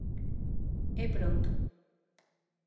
E pronto.